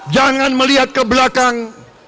jangan melihat ke belakang